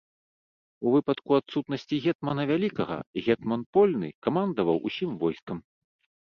У выпадку адсутнасці гетмана вялікага, гетман польны камандаваў усім войскам.